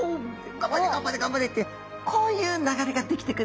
「頑張れ頑張れ頑張れ」ってこういう流れが出来てくるわけですね。